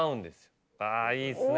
あぁいいですね。